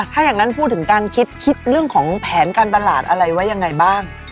ถ้าอย่างนั้นพูดถึงการคิดคิดเรื่องของแผนการตลาดอะไรไว้ยังไงบ้าง